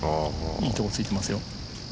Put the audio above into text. いいところついてますよ。